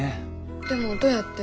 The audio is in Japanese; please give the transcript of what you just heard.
でもどうやって？